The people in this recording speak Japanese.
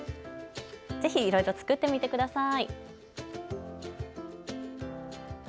ぜひいろいろ作ってみてください。